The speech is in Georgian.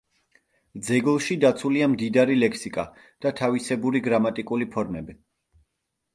ძეგლში დაცულია მდიდარი ლექსიკა და თავისებური გრამატიკული ფორმები.